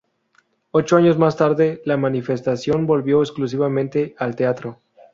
Ocho años más tarde, la manifestación volvió exclusivamente al teatro.